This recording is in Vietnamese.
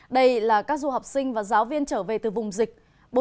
đây là các du học sinh và giáo viên trở về từ vùng dịch